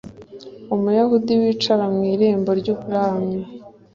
umuyahudi wicara mu irembo ry umwami